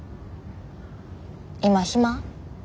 今暇？